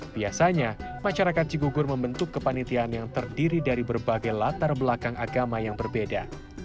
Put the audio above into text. biasanya masyarakat cigugur membentuk kepanitiaan yang terdiri dari berbagai latar belakang agama yang berbeda